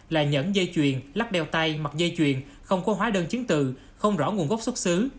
là nhẫn dây chuyền lắc đeo tay mặc dây chuyền không có hóa đơn chứng từ không rõ nguồn gốc xuất xứ